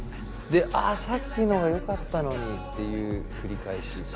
であさっきのがよかったのに！っていう繰り返し。